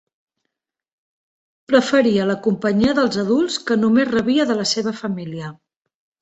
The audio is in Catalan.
Preferia la companyia dels adults, que només rebia de la seva família.